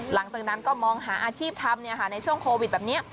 หลังจากนั้นก็มองหาอาชีพทำในช่วงโควิดแบบนี้